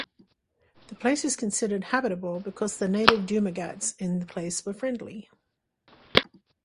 The place is considered habitable, because the Native Dumagats in the place were friendly.